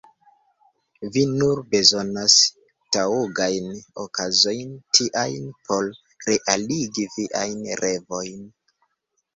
Vi nur bezonas taŭgajn okazojn tiajn, por realigi viajn revojn.